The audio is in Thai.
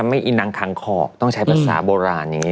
มันต้องปล่อยวาง